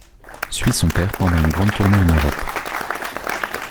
Suit son père pendant une grande tournée en Europe.